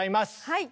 はい！